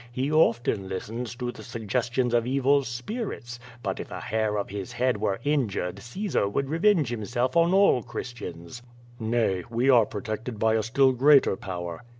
"He often listens to the suggestions of evil spirits, but if a hair of his head were injured Caesar would revenge him self on all Christians." "Nay, we are protected by a still greater power."